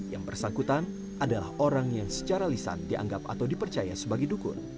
yang bersangkutan adalah orang yang secara lisan dianggap atau dipercaya sebagai dukun